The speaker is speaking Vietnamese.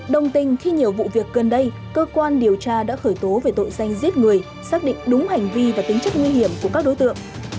đồng tình khi nhiều vụ việc gần đây cơ quan điều tra đã khởi tố về tội danh giết người xác định đúng hành vi và tính chất nguy hiểm của các đối tượng